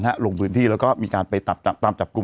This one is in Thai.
ลงพื้นที่แล้วก็มีการไปตามจับกลุ่ม